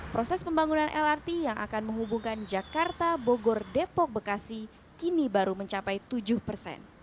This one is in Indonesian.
proses pembangunan lrt yang akan menghubungkan jakarta bogor depok bekasi kini baru mencapai tujuh persen